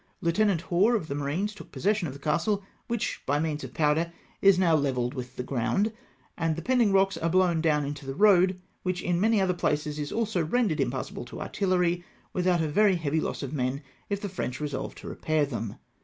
Lieutenant Hore of the marines took possession of the castle, which, by means of powder, is now levelled with the ground, and the pending rocks are blown down into the road, which in many other places is also rendered impassable to artillery, without a very heavy loss of men if the French resolve to repair them.